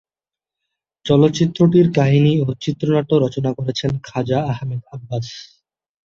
চলচ্চিত্রটির কাহিনি ও চিত্রনাট্য রচনা করেছেন খাজা আহমদ আব্বাস।